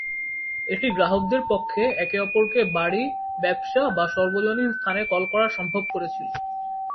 এটি গ্রাহকদের পক্ষে একে অপরকে বাড়ি, ব্যবসা, বা সর্বজনীন স্থানে কল করা সম্ভব করেছিল।